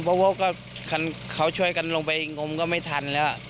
เพราะว่าเขาช่วยกันลงไปงมก็ไม่ทันแล้ว